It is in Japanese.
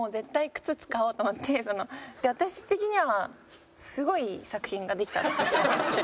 私的にはすごい作品ができたって思って。